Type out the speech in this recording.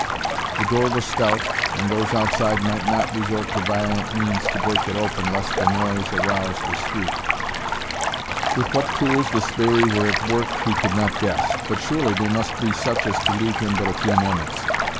The door was stout, and those outside might not resort to violent means to break it open lest the noise arouse the street. With what tools the sbirri were at work he could not guess, but surely they must be such as to leave him but a few moments.